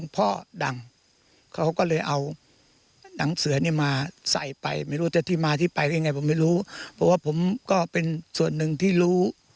เพราะว่าผมก็เป็นส่วนหนึ่งที่รู้